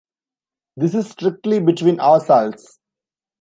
This is strictly between ourselves.